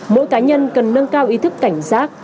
mỗi cá nhân cần nâng cao ý thức cảnh giác